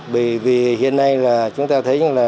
bởi vì hiện nay là chúng ta thấy là